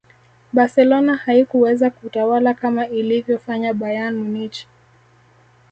barcelona haikuweza kutawala kama ilivyofanya bayern munich